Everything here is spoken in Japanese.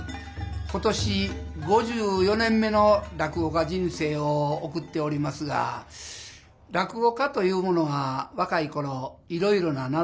今年５４年目の落語家人生を送っておりますが落語家というものは若い頃いろいろな習い事をいたします。